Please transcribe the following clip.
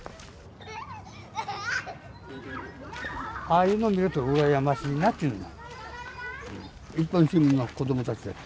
ああいうの見ると羨ましいなっちゅうのよ。